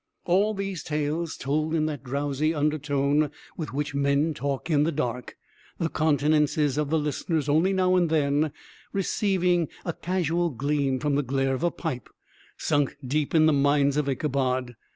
All these tales, told in that drowsy undertone with which men talk in the dark, the countenances of the listeners only now and then receiving a casual gleam from the glare of a pipe, sunk deep in the mind of Ichabod.